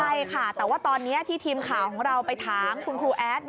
ใช่ค่ะแต่ว่าตอนนี้ที่ทีมข่าวของเราไปถามคุณครูแอด